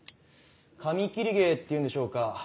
紙切り芸っていうんでしょうか？